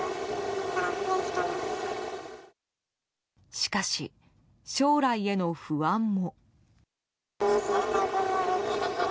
しかし、将来への不安も。